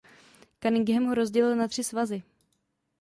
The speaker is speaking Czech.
Cunningham ho rozdělil na tři svazy.